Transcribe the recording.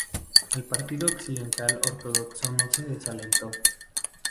El partido occidental ortodoxo no se desalentó.